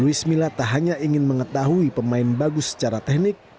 luis mila tak hanya ingin mengetahui pemain bagus secara teknik